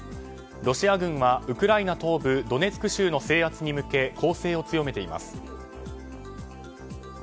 ロシア軍はウクライナ東部ドネツク州の制圧に向け攻勢を強めています。